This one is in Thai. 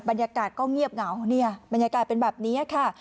บรรยากาศก็เงียบเหงาเนี่ยบรรยากาศเป็นแบบนี้ค่ะ